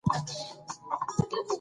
که ماشوم وډار سي نو زده کړه نسي کولای.